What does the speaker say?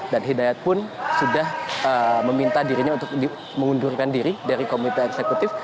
dan hidayat pun sudah meminta dirinya untuk mengundurkan diri dari komite eksekutif